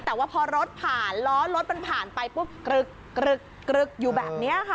แต่ว่าพอรถผ่านล้อรถมันผ่านไปปุ๊บกรึกอยู่แบบนี้ค่ะ